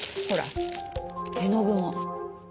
ほら絵の具も。